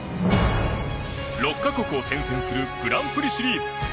６か国を転戦するグランプリシリーズ。